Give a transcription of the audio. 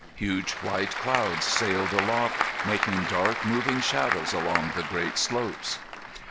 Huge white clouds sailed aloft, making dark moving shadows along the great slopes.